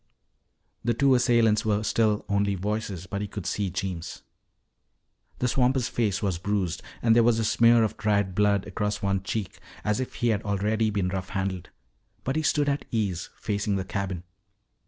The two assailants were still only voices, but he could see Jeems. The swamper's face was bruised and there was a smear of dried blood across one cheek as if he had already been roughly handled. But he stood at ease, facing the cabin.